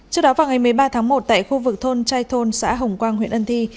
trước đó vào ngày một mươi ba tháng một tại khu vực thôn trai thôn xã hồng quang huyện ân thi